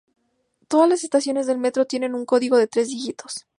Todas las estaciones del metro tiene un código de tres dígitos.